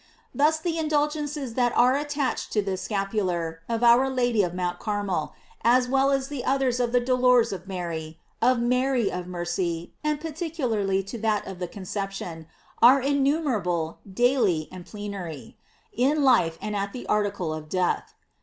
Thus the indulgences that are attached to this scapular of our Lady of Mt. Carmel, as well as to the others of the dolors of Mary, of Mary of Mercy, and particularly to that of the Conception, are innumerable, daily, and plenary, in life and at the article of death.